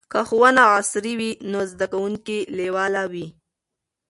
که ښوونه عصري وي نو زده کوونکي لیواله وي.